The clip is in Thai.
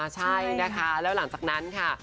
ใช่นะคะแล้วหลังจากนั้นค่ะ